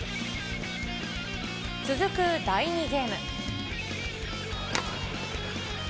続く第２ゲーム。